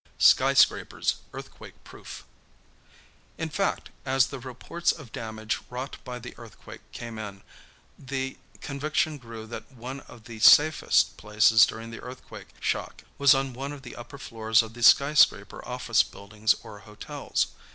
SKYSCRAPERS EARTHQUAKE PROOF. In fact, as the reports of damage wrought by the earthquake came in, the conviction grew that one of the safest places during the earthquake shock was on one of the upper floors of the skyscraper office buildings or hotels.